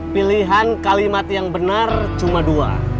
pilihan kalimat yang benar cuma dua